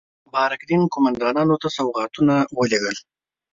بارک دین قوماندانانو ته سوغاتونه ولېږي.